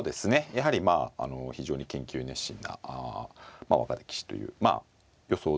やはりまあ非常に研究熱心な若手棋士というまあ予想どおりのそうですね